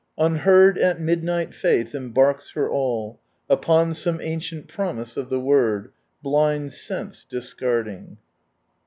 ■* Unheard at midnight Faiih embarks her al! Upoo some ancient promise of Ilie Word, Blmd sense discarding."